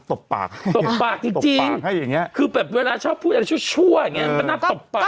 ตบปากจริงคือเวลาชอบพูดอะไรชั่วก็น่าตบปาก